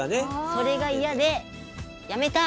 それがいやでやめた！